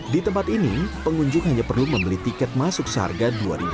di tempat ini pengunjung hanya perlu membeli tiket masuk seharga rp dua